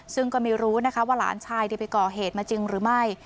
ซึ่งก็ไม่รู้นะคะว่าหลานชายได้ไปก่อเหตุมาจริงหรือไม่